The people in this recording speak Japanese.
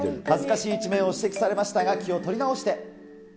恥ずかしい一面を指摘されましたが、気を取り直して。